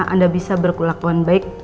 anda bisa berkelakuan baik